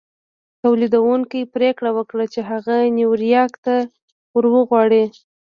توليدوونکي پرېکړه وکړه چې هغه نيويارک ته ور وغواړي.